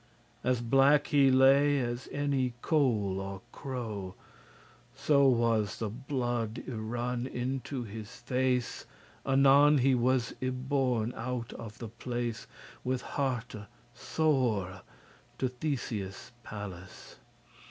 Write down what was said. As black he lay as any coal or crow, So was the blood y run into his face. Anon he was y borne out of the place With hearte sore, to Theseus' palace.